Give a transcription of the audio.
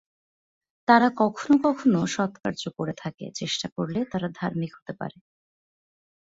তারা কখনও কখনও সৎকার্য করে থাকে, চেষ্টা করলে তারা ধার্মিক হতে পারে।